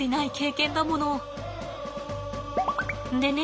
でね